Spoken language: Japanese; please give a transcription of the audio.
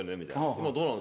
「今どうなの？」